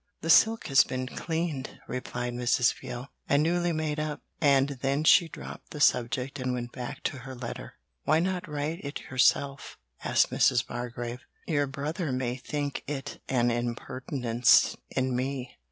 'The silk has been cleaned,' replied Mrs. Veal, 'and newly made up,' and then she dropped the subject and went back to her letter. 'Why not write it yourself?' asked Mrs. Bargrave. 'Your brother may think it an impertinence in me.'